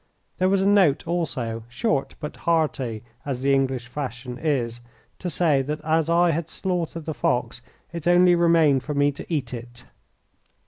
There was a note also, short but hearty, as the English fashion is, to say that as I had slaughtered the fox it only remained for me to eat it.